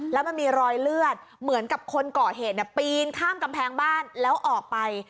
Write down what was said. แล้วมันมีรอยเลือดเหมือนกับคนก่อเหตุปีนข้ามกำแพงบ้านแล้วออกไป